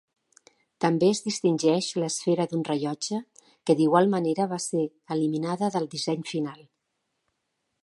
També es distingeix l'esfera d'un rellotge, que d'igual manera va ser eliminada del disseny final.